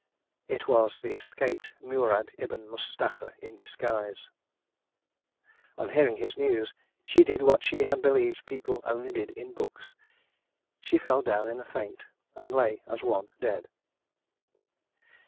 It was the escaped Murad ibn Mustapha, in disguise. On hearing his news, she did what she had believed people only did in books. She fell down in a faint and lay as one dead.